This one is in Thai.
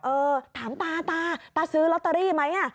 เออถามตาตาซื้อลอตเตอรี่ไหม